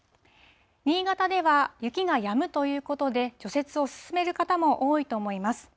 新潟では雪がやむということで、除雪を進める方も多いと思います。